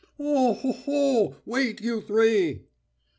"O ho ho! Wait, you three!"